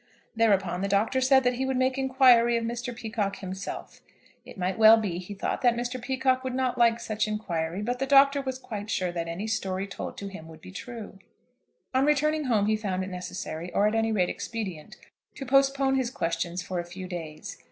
Thereupon the Doctor said that he would make inquiry of Mr. Peacocke himself. It might well be, he thought, that Mr. Peacocke would not like such inquiry, but the Doctor was quite sure that any story told to him would be true. On returning home he found it necessary, or at any rate expedient, to postpone his questions for a few days.